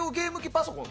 パソコン？